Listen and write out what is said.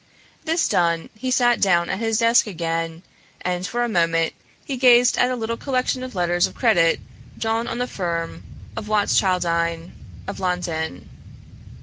This done, he had sat down at his desk again, and for a moment he gazed at a little collection of letters of credit drawn on the firm of Watschildine of London.